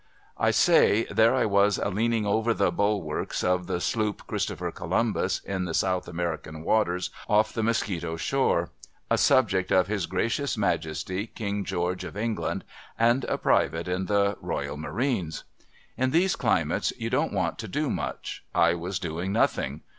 I say, there I was, a leaning over the bulwarks of the sloop Christopher Columbus in the South American waters off the Mosquito shore : a subject of his Gracious Majesty King George of England, and a private in the Royal Marines. In those climates, you don't want to do much, I was doing nothing.